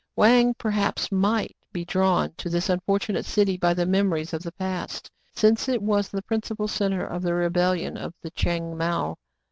Wang, perhaps, might be drawn to this unfortunate city by the memories of the past, since it was the principal centre of the rebellion of the Tchang Mao.